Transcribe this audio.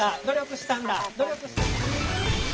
ど力したんだ！